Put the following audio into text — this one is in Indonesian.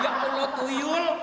ya allah tuyul